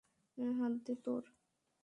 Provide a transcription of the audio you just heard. হাত দে তোর।